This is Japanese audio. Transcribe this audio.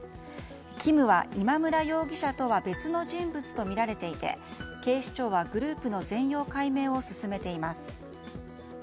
キムは今村容疑者とは別の人物とみられていて警視庁はグループの全容解明を進めています。